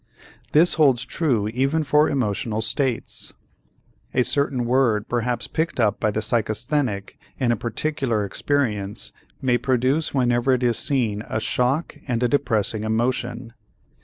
This holds true even for emotional states. A certain word perhaps picked up by the psychasthenic in a particular experience may produce whenever it is seen a shock and a depressing emotion.